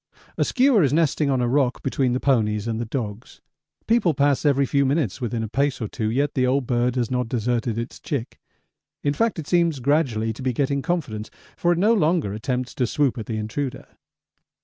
A skua is nesting on a rock between the ponies and the dogs. People pass every few minutes within a pace or two, yet the old bird has not deserted its chick. In fact, it seems gradually to be getting confidence, for it no longer attempts to swoop at the intruder.